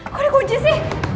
kok dikunci sih